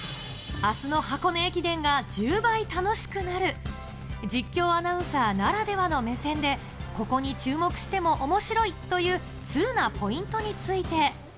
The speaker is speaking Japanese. あすの箱根駅伝が１０倍楽しくなる、実況アナウンサーならではの目線で、ここに注目してもおもしろいという通なポイントについて。